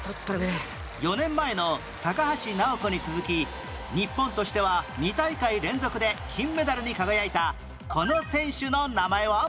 ４年前の高橋尚子に続き日本としては２大会連続で金メダルに輝いたこの選手の名前は？